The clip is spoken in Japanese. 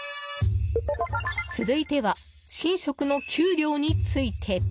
続いては、神職の給料について。